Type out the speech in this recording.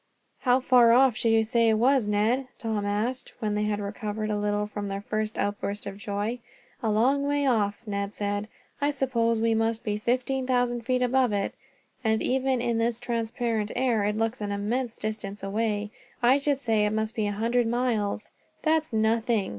"How far off should you say it was, Ned?" Tom asked, when they had recovered a little from their first outburst of joy. "A long way off," Ned said. "I suppose we must be fifteen thousand feet above it, and even in this transparent air it looks an immense distance away. I should say it must be a hundred miles." "That's nothing!"